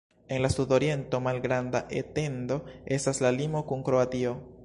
En la sudoriento, malgranda etendo estas la limo kun Kroatio.